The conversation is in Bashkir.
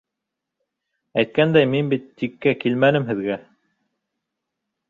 Әйткәндәй, мин бит тиккә килмәнем һеҙгә.